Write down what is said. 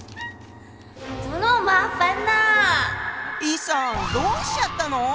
易さんどうしちゃったの？